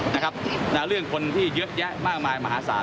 เรื่องคนที่เยอะแยะมากมายมหาศาล